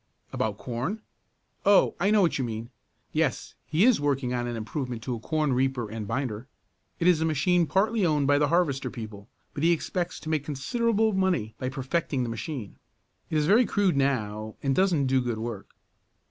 "About corn? Oh, I know what you mean. Yes, he is working on an improvement to a corn reaper and binder. It is a machine partly owned by the harvester people, but he expects to make considerable money by perfecting the machine. It is very crude now, and doesn't do good work."